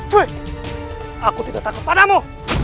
cuy aku tidak takut padamu